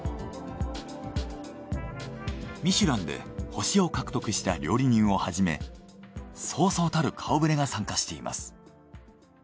ミシュランで星を獲得した料理人をはじめそうそうたる顔ぶれが参加しています。